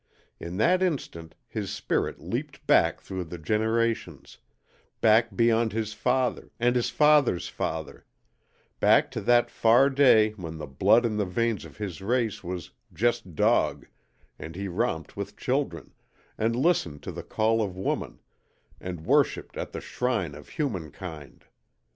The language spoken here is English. In that instant his spirit leapt back through the generations back beyond his father, and his father's father; back to that far day when the blood in the veins of his race was "just dog," and he romped with children, and listened to the call of woman, and worshipped at the shrine of humankind.